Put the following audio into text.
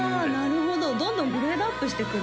なるほどどんどんグレードアップしていくんですね